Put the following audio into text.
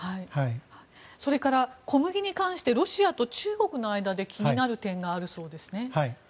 それから小麦に関してロシアと中国の間で気になる点があるそうですね。